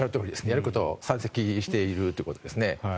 やることは山積しているということですね。